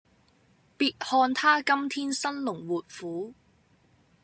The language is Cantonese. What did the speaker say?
別看他今天生龍活虎